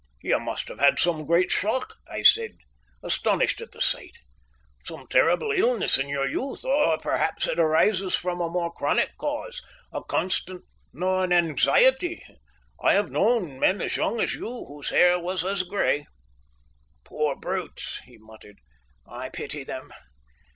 "You must have had some great shock," I said, astonished at the sight, "some terrible illness in your youth. Or perhaps it arises from a more chronic cause a constant gnawing anxiety. I have known men as young as you whose hair was as grey." "Poor brutes!" he muttered. "I pity them."